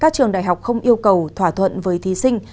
các trường đại học không yêu cầu thỏa thuận với thí sinh